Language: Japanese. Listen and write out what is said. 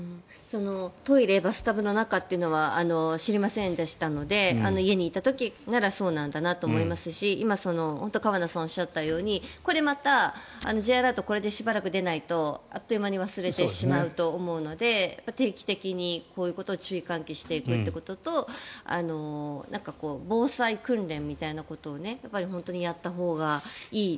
トイレバスタブの中というのは知りませんでしたので家にいた時ならそうなんだなと思いますし今、河野さんがおっしゃったようにこれまたＪアラートがしばらく出ないとあっという間に忘れてしまうと思うので定期的に、こういうことを注意喚起していくということと防災訓練みたいなことを本当にやったほうがいい。